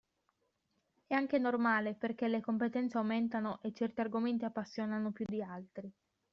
È anche normale, perché le competenze aumentano e certi argomenti appassionano più di altri.